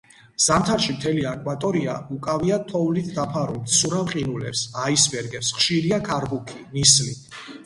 ზამთარში მთელი აკვატორია უკავია თოვლით დაფარულ მცურავ ყინულებს, აისბერგებს; ხშირია ქარბუქი, ნისლი.